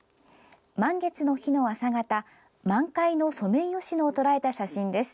満月の日の朝方満開のソメイヨシノをとらえた写真です。